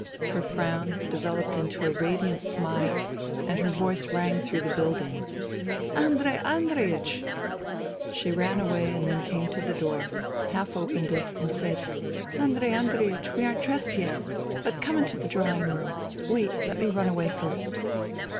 Her frown developed into a radiant smile and her voice rang through the building :" Andrei Andreiech !" She ran away and then came to the door, hall opened it, and said, " Andrei Andreiech, we aren't dressed yet ; but come into the drawing room .., wait, let me run away first."